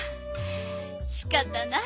しかたない。